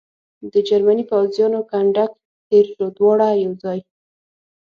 د جرمني پوځیانو کنډک تېر شو، دواړه یو ځای.